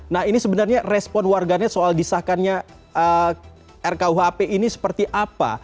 nah ini sebenarnya respon warganet soal disahkannya rkuhp ini seperti apa